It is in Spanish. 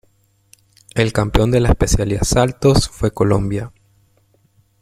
El campeón de la especialidad Saltos fue Colombia.